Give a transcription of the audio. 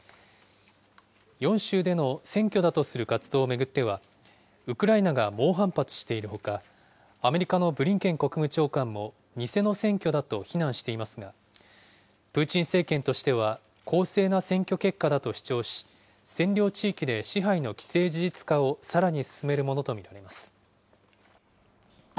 ４州での選挙だとする活動を巡っては、ウクライナが猛反発しているほか、アメリカのブリンケン国務長官も、偽の選挙だと非難していますが、プーチン政権としては、公正な選挙結果だと主張し、占領地域で支配の既成事実化をさらに進めるものと見られます。